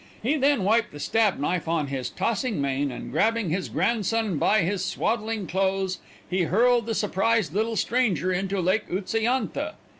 He then wiped the stab knife on his tossing mane, and grabbing his grandson by his swaddling clothes he hurled the surprised little stranger into Lake Utsa yantha.